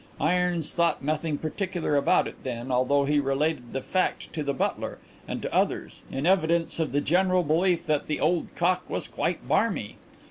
Irons thought nothing particular about it then, although he related the fact to the butler, and to others, in evidence of the general belief that 'the old cock was quite barmy.'